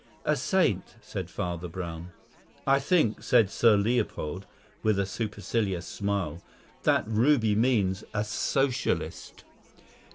"A saint," said Father Brown. "I think," said Sir Leopold, with a supercilious smile, "that Ruby means a Socialist."